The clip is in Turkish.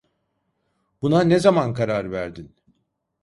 Buna ne zaman karar verdin?